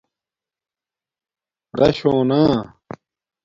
رش ہونا